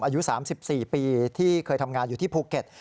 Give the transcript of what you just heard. อายุ๓๔ปีที่เคยทำงานอยู่ที่ภูเก็ต